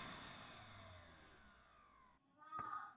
আদর্শকে এত বেশী জীবন্ত করে তুলতে ভালবাসার মত কিছুই নেই।